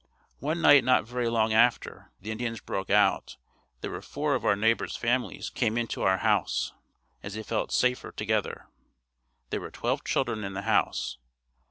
One night not very long after the Indians broke out, there were four of our neighbors' families came into our house, as they felt safer together. There were twelve children in the house.